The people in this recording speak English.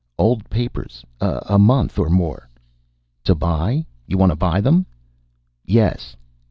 "Old papers. A month. Or more." "To buy? You want to buy them?" "Yes."